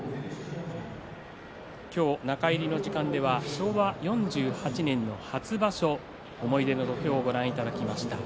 今日、中入りの時間では昭和４８年の初場所「思い出の土俵」をご覧いただきました。